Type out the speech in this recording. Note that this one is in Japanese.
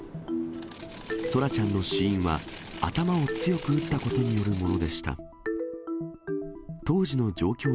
空来ちゃんの死因は、頭を強く打ったことによるものでした。